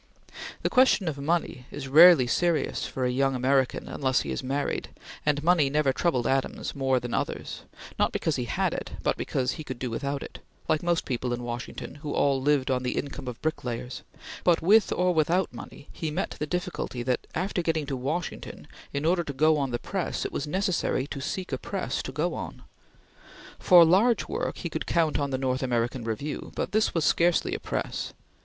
The question of money is rarely serious for a young American unless he is married, and money never troubled Adams more than others; not because he had it, but because he could do without it, like most people in Washington who all lived on the income of bricklayers; but with or without money he met the difficulty that, after getting to Washington in order to go on the press, it was necessary to seek a press to go on. For large work he could count on the North American Review, but this was scarcely a press.